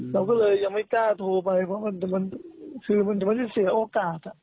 เราก็เลยยังไม่กล้าโทรไปเพราะมันจะเสียโอกาส